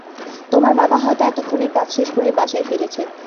তোমার বাবা হয়তো এতক্ষণে কাজ শেষ করে বাসায় ফিরেছে।